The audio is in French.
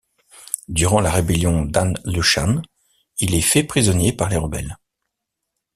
Durant la rébellion d'An Lushan, il est fait prisonnier par les rebelles.